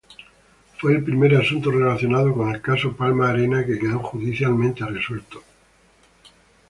Fue el primer asunto relacionado con el caso Palma Arena que quedó judicialmente resuelto.